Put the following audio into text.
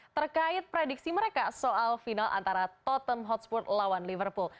terkait prediksi mereka soal final antara tottenham hotspur lawan liverpool